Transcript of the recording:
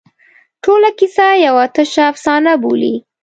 ټوله کیسه یوه تشه افسانه بولي.